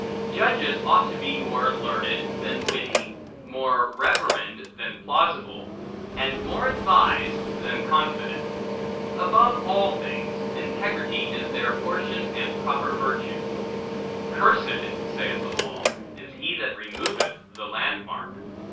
Judges ought to be more learned, than witty, more reverend, than plausible, and more advised, than confident. Above all things, integrity is their portion and proper virtue. Cursed (saith the law) is he that removeth the landmark.